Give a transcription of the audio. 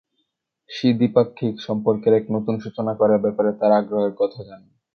She দ্বিপাক্ষিক সম্পর্কের এক নতুন সূচনা করার ব্যাপারে তার আগ্রহের কথা জানান।